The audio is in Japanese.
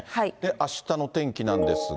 あしたの天気なんですが。